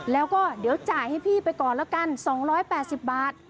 แล้วก็เดี๋ยวจ่ายให้พี่ไปก่อนแล้วกัน๒๘๐บาท